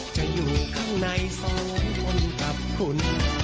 อยู่ข้างในสองคนกับคุณ